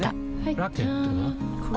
ラケットは？